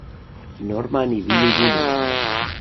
Norman y Billy Jr.